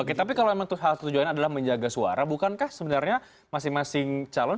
oke tapi kalau memang hal tujuan adalah menjaga suara bukankah sebenarnya masing masing calon